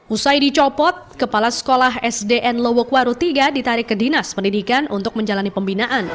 usai dicopot kepala sekolah sdn lowokwaru iii ditarik ke dinas pendidikan untuk menjalani pembinaan